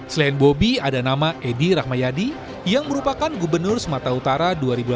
selain bobi ada nama edi rahmayadi yang merupakan gubernur sumatera utara dua ribu delapan belas